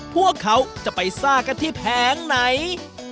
พวกเขาจะไปซ่ากันที่แผงไหน